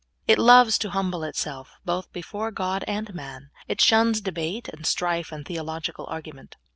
It loves to humble itself, both before God and man. It shuns debate and strife, and theological argument.